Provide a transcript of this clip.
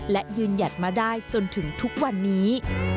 และยืนหยัดมาได้จนถึงทุกวันนี้